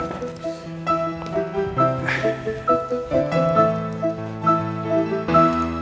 terus kau masih umpenya